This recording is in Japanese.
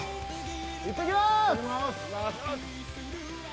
行ってきます！